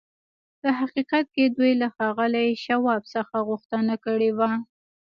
په حقیقت کې دوی له ښاغلي شواب څخه غوښتنه کړې وه